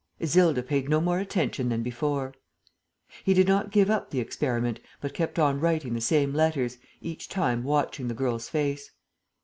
Isilda paid no more attention than before. He did not give up the experiment, but kept on writing the same letters, each time watching the girl's face.